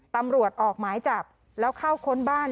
ตำรวจออกหมายจับแล้วเข้าค้นบ้าน